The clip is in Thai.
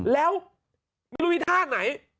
แล้วไม่รู้วิที่ท่าไหน